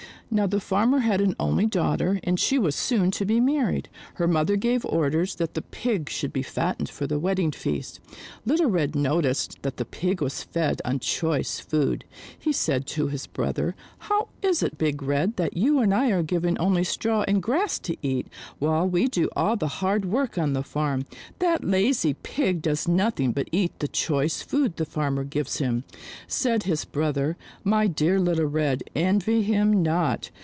Now the farmer had an only daughter and she was soon to be married. Her mother gave orders that the Pig should be fattened for the wedding feast. Little Red noticed that the Pig was fed on choice food. He said to his brother, "How is it, Big Red, that you and I are given only straw and grass to eat, while we do all the hard work on the farm? That lazy Pig does nothing but eat the choice food the farmer gives him." Said his brother, "My dear Little Red, envy him not.